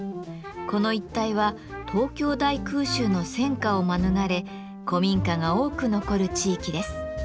この一帯は東京大空襲の戦火を免れ古民家が多く残る地域です。